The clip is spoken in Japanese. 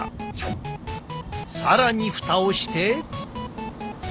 更にふたをして。